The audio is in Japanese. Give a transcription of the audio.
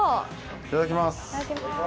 いただきます！